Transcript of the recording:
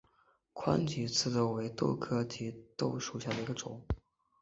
宽翼棘豆为豆科棘豆属下的一个种。